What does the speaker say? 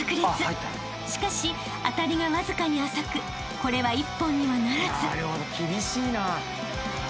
［しかし当たりがわずかに浅くこれは一本にはならず］